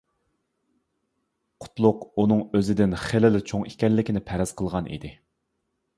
قۇتلۇق ئۇنىڭ ئۆزىدىن خېلىلا چوڭ ئىكەنلىكىنى پەرەز قىلغان ئىدى.